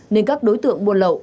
nên các đối tượng buôn lậu